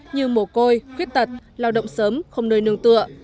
như mồ côi khuyết tật lao động sớm không nơi nương tựa